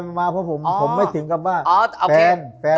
มาเพราะผมไม่ถึงกับว่าแฟน